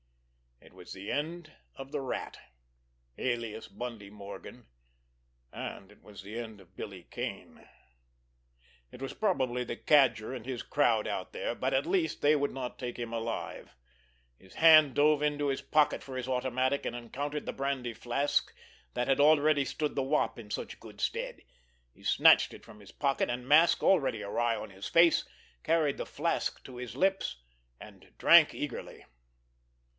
It was the end of the Rat, alias Bundy Morgan—and it was the end of Billy Kane. It was probably the Cadger and his crowd out there, but, at least, they would not take him alive. His hand dove into his pocket for his automatic and encountered the brandy flask that had already stood the Wop in such good stead. He snatched it from his pocket, and, his mask already awry on his face, carried the flask to his lips, and drank eagerly.